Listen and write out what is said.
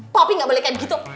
popi gak boleh kayak begitu